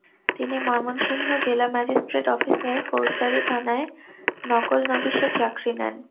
তিনি ময়মনসিংহ জেলা ম্যাজিস্টেট অফিসের ফৌজদারি থানায় নকলনবীশের চাকরি নেন।